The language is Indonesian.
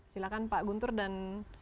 silahkan pak guntur dan